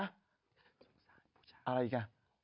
อะไรอีกอ่ะ